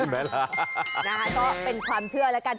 ก็เป็นความเชื่อแล้วกัน